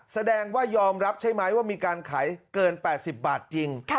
แสดงว่ายอมรับใช่ไหมว่ามีการขายเกิน๘๐บาทจริง